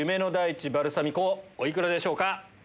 お幾らでしょうか？